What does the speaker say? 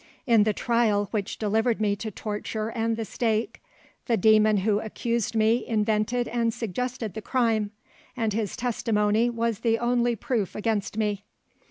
In the trial which delivered me to torture and the stake, The demon who accused me invented and suggested the crime, And his testimony was the only proof against me.